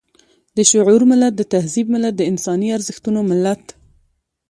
د شعور ملت، د تهذيب ملت، د انساني ارزښتونو ملت.